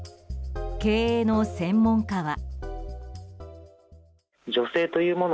経営の専門家は。